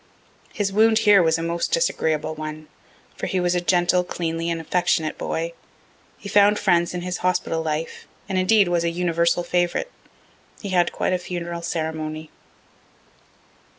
His wound here was a most disagreeable one, for he was a gentle, cleanly, and affectionate boy. He found friends in his hospital life, and, indeed, was a universal favorite. He had quite a funeral ceremony.